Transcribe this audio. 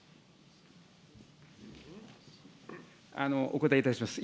お答えいたします。